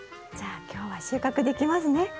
じゃあ今日は収穫できますね。